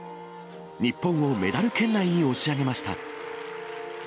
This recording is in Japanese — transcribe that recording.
日本をメダル圏内に押し上げました。